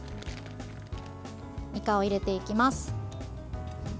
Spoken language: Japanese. いかを入れていきます。